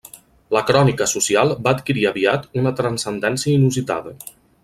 La crònica social va adquirir aviat una transcendència inusitada.